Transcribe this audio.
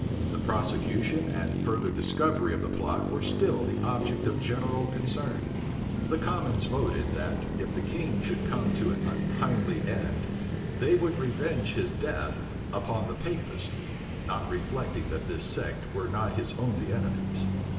The prosecution and further discovery of the plot were still the object of general concern. The commons voted, that, if the king should come to an untimely end, they would revenge his death upon the Papists; not reflecting that this sect were not his only enemies.